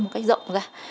một cách rộng ra